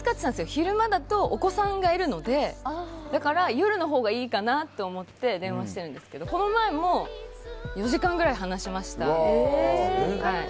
昼間だとお子さんがいるので夜のほうがいいかと思って電話してますけどこの前も４時間ぐらい話しました。